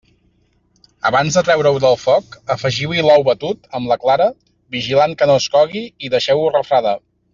Abans de treure-ho del foc, afegiu-hi l'ou batut, amb la clara, vigilant que no es cogui i deixeu-ho refredar.